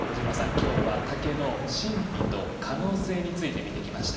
今日は竹の神秘と可能性について見てきました。